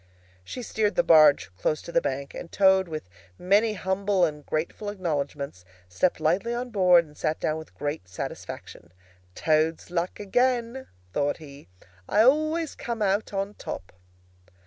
She steered the barge close to the bank, and Toad, with many humble and grateful acknowledgments, stepped lightly on board and sat down with great satisfaction. "Toad's luck again!" thought he. "I always come out on top!"